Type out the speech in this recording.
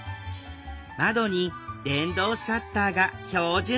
窓に電動シャッターが標準装備！